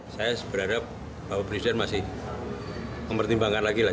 saya berharap bapak presiden masih mempertimbangkan lagi lah